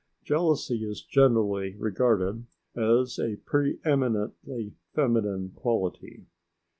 Jealousy is generally regarded as a pre eminently feminine quality.